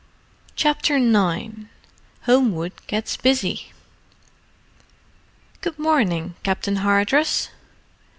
CHAPTER IX HOMEWOOD GETS BUSY "Good morning, Captain Hardress."